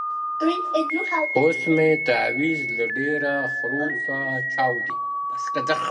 o اوس مي تعويذ له ډېره خروښه چاودي؛